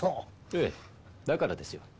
ええだからですよ。